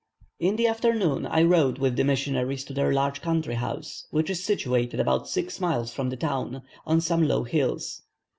In the afternoon I rode with the missionaries to their large country house, which is situated about six miles from the town, on some low hills.